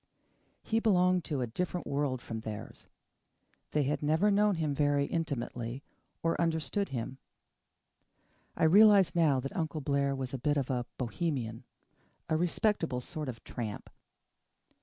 He belonged to a different world from theirs. They had never known him very intimately or understood him. I realize now that Uncle Blair was a bit of a Bohemian a respectable sort of tramp.